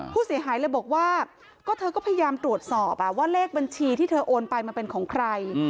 ผู้เสียหายเลยบอกว่าก็เธอก็พยายามตรวจสอบว่าเลขบัญชีที่เธอโอนไปมันเป็นของใคร